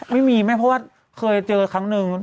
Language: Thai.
ไม่มีแม่เพราะว่าเคยเจอครั้งหนึ่ง